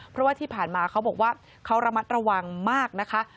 เพราะว่าที่ผ่านมาเขาบอกว่าเขาระมัดระวังมากนะคะ